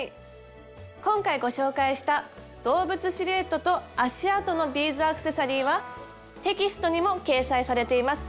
今回ご紹介した動物シルエットと足あとのビーズアクセサリーはテキストにも掲載されています。